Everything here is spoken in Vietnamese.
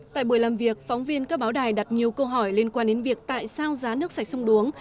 tại buổi làm việc phóng viên các báo đài đặt nhiều câu hỏi liên quan đến việc tại sao giá nước sạch sông đuống